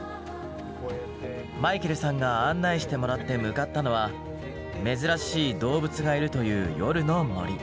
マイケルさんが案内してもらって向かったのは珍しい動物がいるという夜の森。